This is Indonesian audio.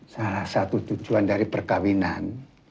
salah satu tujuan dari perkawinan